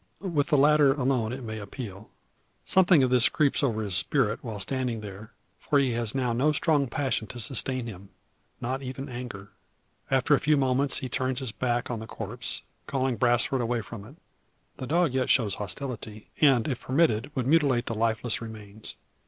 With the latter, alone, it may appal. Something of this creeps over his spirit while standing there; for he has now no strong passion to sustain him, not even anger. After a few moments, he turns his back on the corpse, calling Brasfort away from it. The dog yet shows hostility; and, if permitted, would mutilate the lifeless remains.